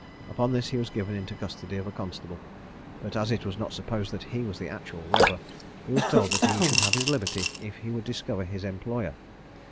Upon this he was given into the custody of a constable; but as it was not supposed that he was the actual robber, he was told that he should have his liberty if he would discover his employer.